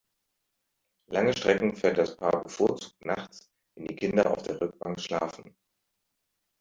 Lange Strecken fährt das Paar bevorzugt nachts, wenn die Kinder auf der Rückbank schlafen.